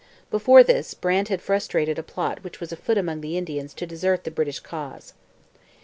Before this, Brant had frustrated a plot which was afoot among the Indians to desert the British cause.